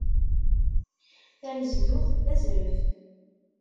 Tanezduɣt d azref.